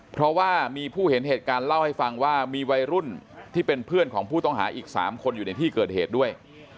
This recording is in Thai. เพราะว่ามีผู้เห็นเหตุการณ์เล่าให้ฟังว่ามีวัยรุ่นที่เป็นเพื่อนของผู้ต้องหาอีก๓คนอยู่ในที่เกิดเหตุด้วย